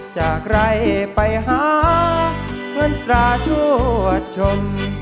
จากใครไปหาเงินตราชวดชม